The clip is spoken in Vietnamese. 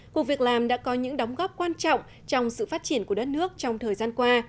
cuộc việc làm đã có những đóng góp quan trọng trong sự phát triển của đất nước trong thời gian qua